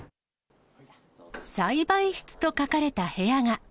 栽培室と書かれた部屋が。